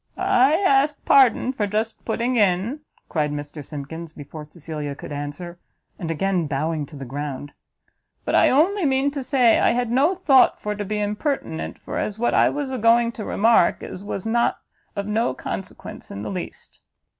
"I ask pardon for just putting in," cried Mr Simkins, before Cecilia could answer, and again bowing down to the ground, "but I only mean to say I had no thought for to be impertinent, for as to what I was agoing to remark, is was not of no consequence in the least."